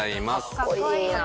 かっこいいな。